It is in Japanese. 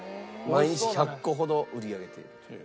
毎日１００個ほど売り上げている。